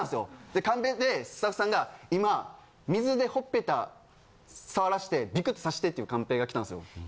でカンペでスタッフさんが「今水でほっぺた触らしてビクッとさせて」っていうカンペがきたんですよ。